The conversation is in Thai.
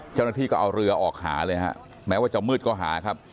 เจ้าหน้าที่ก็เอาเรือออกหาเลยฮะแม้ว่าจะมืดก็หาครับ